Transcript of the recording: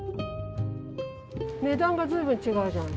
値段が随分違うじゃん。